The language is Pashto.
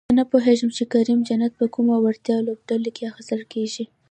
زه نپوهېږم چې کریم جنت په کومه وړتیا لوبډله کې اخیستل کیږي؟